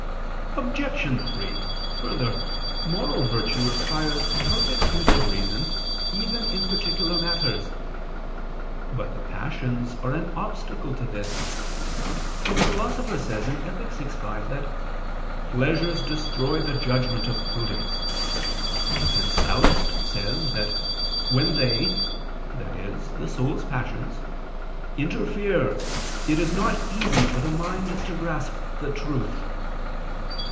Obj. 3: Further, moral virtue requires perfect use of reason even in particular matters. But the passions are an obstacle to this: for the Philosopher says (Ethic. vi, 5) that "pleasures destroy the judgment of prudence": and Sallust says (Catilin.) that "when they," i.e. the soul's passions, "interfere, it is not easy for the mind to grasp the truth."